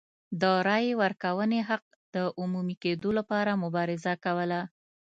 د رایې ورکونې حق د عمومي کېدو لپاره مبارزه کوله.